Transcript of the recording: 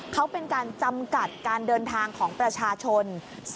เขาเป็นการจำกัดการเดินทางของประชาชน